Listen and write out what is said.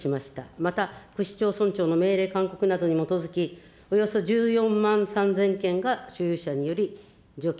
また、区市町村長の命令・勧告などに基づき、およそ１４万３０００軒が所有者により除却、